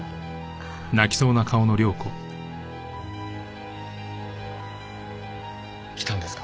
ああ。来たんですか？